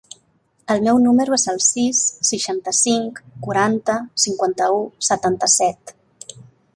El meu número es el sis, seixanta-cinc, quaranta, cinquanta-u, setanta-set.